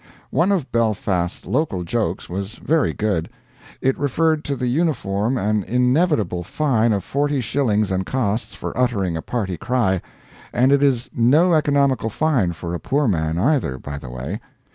One of Belfast's local jokes was very good. It referred to the uniform and inevitable fine of forty shillings and costs for uttering a party cry and it is no economical fine for a poor man, either, by the way.